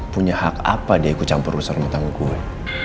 punya hak apa dia ikut campur urusan rumah tangga gue